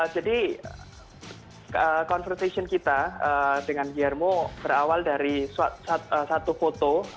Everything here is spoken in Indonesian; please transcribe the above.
jadi konversasi kita dengan guillermo berawal dari satu foto